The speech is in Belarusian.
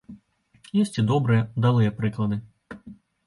Ёсць і добрыя, удалыя прыклады.